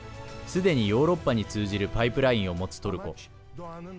すでにヨーロッパに通じるパイプラインを持つトルコ。